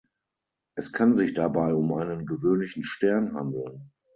Es kann sich dabei um einen gewöhnlichen Stern handeln.